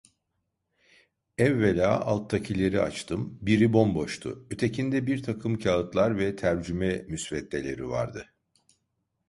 Evvela alttakileri açtım; biri bomboştu, ötekinde birtakım kâğıtlar ve tercüme müsveddeleri vardı.